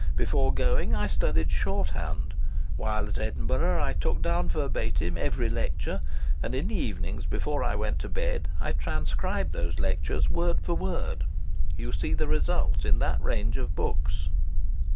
Before going I studied short hand; while at Edinburgh, I took down verbatim every lecture; and in the evenings, before I went to bed, I transcribed those lectures word for word. You see the result in that range of books."